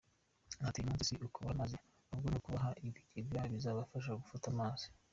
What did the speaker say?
Ati “Uyu munsi si ukubaha amazi ahubwo ni ukubaha ibigega bizabafasha gufata amazi.